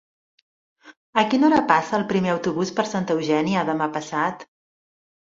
A quina hora passa el primer autobús per Santa Eugènia demà passat?